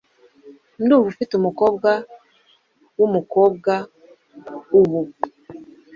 Ndumva ufite umukobwa wumukobwa ubu